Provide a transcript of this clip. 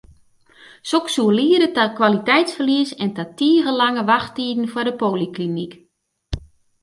Soks soe liede ta kwaliteitsferlies en ta tige lange wachttiden foar de polyklinyk.